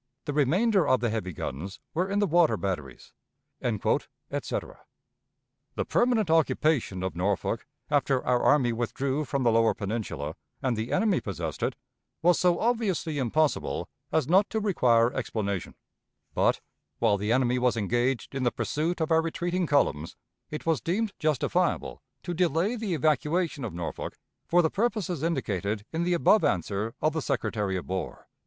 The remainder of the heavy guns were in the water batteries," etc. The permanent occupation of Norfolk after our army withdrew from the lower Peninsula and the enemy possessed it was so obviously impossible as not to require explanation; but, while the enemy was engaged in the pursuit of our retreating columns, it was deemed justifiable to delay the evacuation of Norfolk for the purposes indicated in the above answer of the Secretary of War.